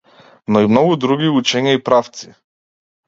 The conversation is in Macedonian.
Но и многу други учења и правци.